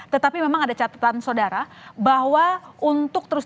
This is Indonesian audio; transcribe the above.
tetapi memang ada catatan saudara bahwa untuk terus